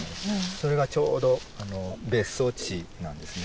それがちょうど別荘地なんですね。